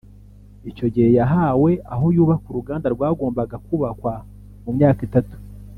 Icyo gihe yahawe aho yubaka uruganda rwagombaga kubakwa mu myaka itatu